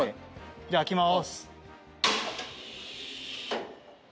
じゃあ開きます。